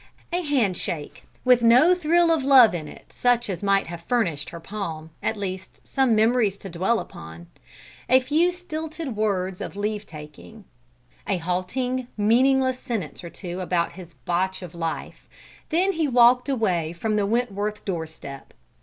A handshake, with no thrill of love in it such as might have furnished her palm, at least, some memories to dwell upon; a few stilted words of leave taking; a halting, meaningless sentence or two about his "botch" of life then he walked away from the Wentworth doorstep.